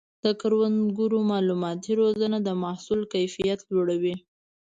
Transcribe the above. د کروندګرو مالوماتي روزنه د محصول کیفیت لوړوي.